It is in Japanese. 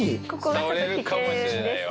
倒れるかもしれないよ。